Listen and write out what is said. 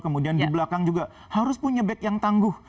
kemudian di belakang juga harus punya back yang tangguh